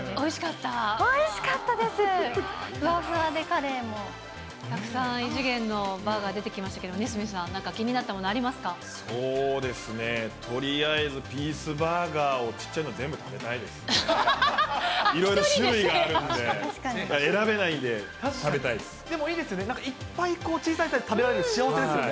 たくさん異次元のバーガー出てきましたけど、ＮＥＳＭＩＴＨさん、なんか気になったものありそうですね、とりあえずピースバーガーをちっちゃいの全部食べたいですね。